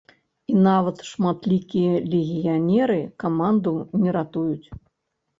І нават шматлікія легіянеры каманду не ратуюць.